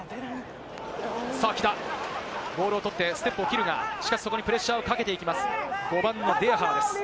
さあ木田、ボールを取ってステップを切るが、しかし、そこにプレッシャーをかけていきます、５番のデヤハーです。